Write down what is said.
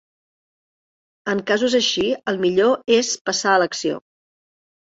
En casos així, el millor és passar a l'acció.